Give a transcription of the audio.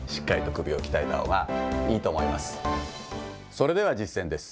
それでは実践です。